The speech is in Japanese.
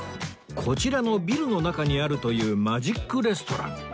こちらのビルの中にあるというマジックレストラン